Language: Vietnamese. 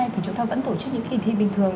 thì chúng ta vẫn tổ chức những kỳ thi bình thường